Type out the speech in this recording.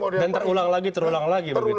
dan terulang lagi terulang lagi begitu ya